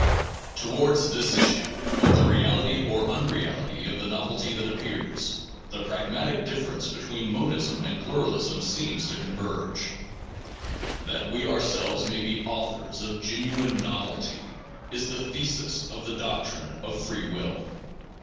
Towards this issue, of the reality or unreal ity of the novelty that appears, the pragmatic Monism, difference between monism and plu and nov ra ^ sm seems to converge. That we elty ourselves may be authors of genuine novelty is the thesis of the doctrine of free will.